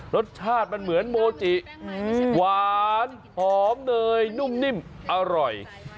รสชาติมันเหมือนโมจิหวานหอมเนยนุ่มนิ่มอร่อย